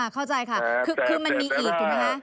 เข้าใจค่ะคือมันมีอีกถูกไหมคะ